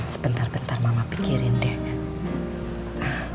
sebentar bentar mama pikirin deh kan